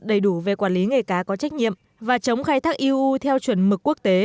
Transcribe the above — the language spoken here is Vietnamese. đầy đủ về quản lý nghề cá có trách nhiệm và chống khai thác eu theo chuẩn mực quốc tế